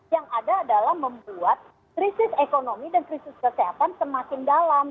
yang ada adalah membuat krisis ekonomi dan krisis kesehatan semakin dalam